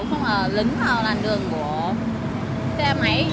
không là lính vào làn đường của xe máy